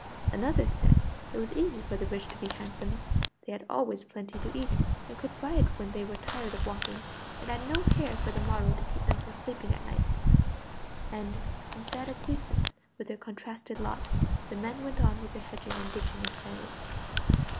Another said it was easy for the rich to be handsome; they had always plenty to eat, and could ride when they were tired of walking, and had no care for the morrow to keep them from sleeping at nights. And, in sad acquiescence with their contrasted lot, the men went on with their hedging and ditching in silence.